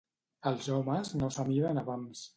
Els homes no s'amiden a pams.